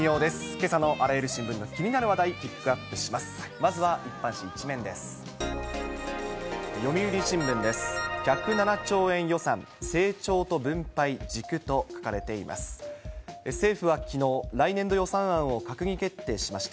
けさのあらゆる新聞の気になる話題、ピックアップします。